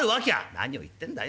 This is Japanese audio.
「何を言ってんだよ。